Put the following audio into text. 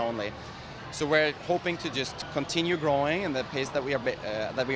jadi kami berharap untuk terus tumbuh di tempat yang kita tumbuh